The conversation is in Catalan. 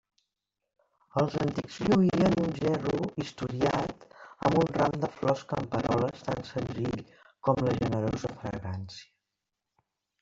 Els antics lluïen un gerro historiat amb un ram de flors camperoles tan senzill com de generosa fragància.